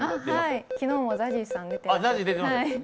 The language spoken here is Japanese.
はい、昨日もＺＡＺＹさんが出ていましたね。